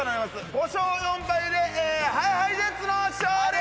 ５勝４敗でＨｉＨｉＪｅｔｓの勝利！